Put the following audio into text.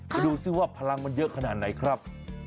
ไปดูซิว่าพลังมันเยอะขนาดไหนครับ